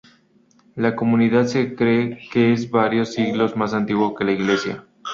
La comunidad se cree que es varios siglos más antiguo que la iglesia.